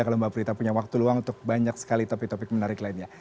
kalau mbak prita punya waktu luang untuk banyak sekali topik topik menarik lainnya